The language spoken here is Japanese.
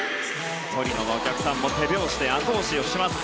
トリノのお客さんも手拍子であと押しをします。